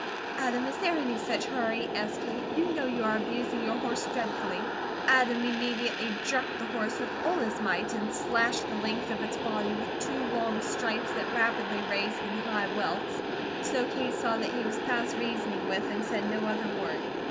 "Adam, is there any such hurry?" asked Kate. "You know you are abusing your horse dreadfully." Adam immediately jerked the horse with all his might, and slashed the length of its body with two long stripes that rapidly raised in high welts, so Kate saw that he was past reasoning with and said no other word.